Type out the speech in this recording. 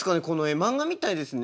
漫画みたいですね。